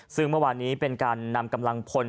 ซึ่งเมื่อวานนี้เป็นการนำกำลังพล